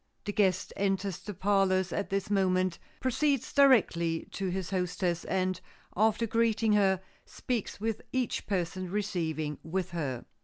The guest enters the parlors at this moment, proceeds directly to his hostess, and after greeting her, speaks with each person receiving with her.